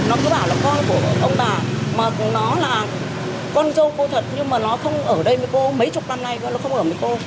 nó cứ bảo là con của ông bà mà nó là con dâu cô thật nhưng mà nó không ở đây với cô mấy chục năm nay thôi nó không ở mấy cô